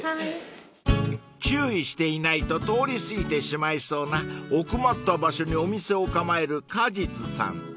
［注意していないと通り過ぎてしまいそうな奥まった場所にお店を構えるＫＡＪＩＴＳＵさん］